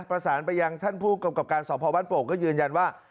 ประสานไปยังท่านผู้กรรมกรรมการสอบภาวบ้านโปกก็ยืนยันว่า